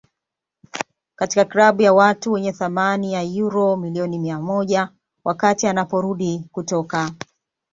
katika klabu ya watu wenye thamani ya uro milioni mia moja wakati anaporudi kutoka